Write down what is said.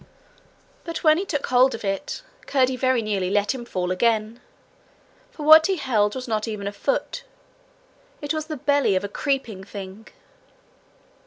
But when he took hold of it, Curdie very nearly let him fall again, for what he held was not even a foot: it was the belly of a creeping thing.